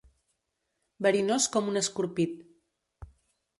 Verinós com un escorpit.